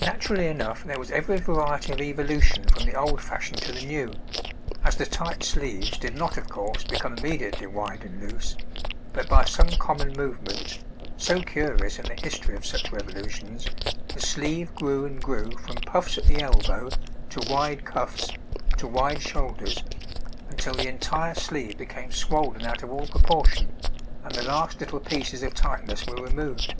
Naturally enough there was every variety of evolution from the old fashion to the new, as the tight sleeves did not, of course, become immediately wide and loose, but by some common movement, so curious in the history of such revolutions, the sleeve grew and grew from puffs at the elbow to wide cuffs, to wide shoulders, until the entire sleeve became swollen out of all proportion, and the last little pieces of tightness were removed.